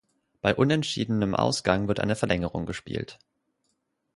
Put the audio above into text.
Bei unentschiedenem Ausgang wird eine Verlängerung gespielt.